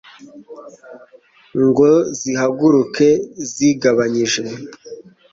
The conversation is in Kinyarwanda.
ngo zihaguruke zigabanyije